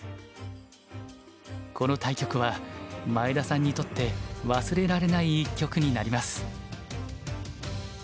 この対局は前田さんにとって忘れられない一局になります。